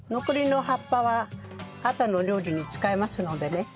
残りの葉っぱはあとの料理に使いますのでね。